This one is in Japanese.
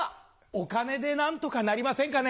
お金で何とかなりませんかね？